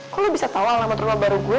kok lo bisa tau alamat rumah baru gue